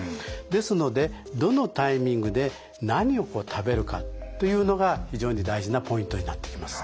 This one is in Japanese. ですのでどのタイミングで何を食べるかというのが非常に大事なポイントになってきます。